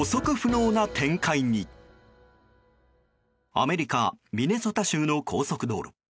アメリカ・ミネソタ州の高速道路。